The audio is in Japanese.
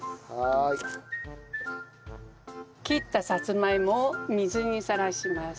切ったさつまいもを水にさらします。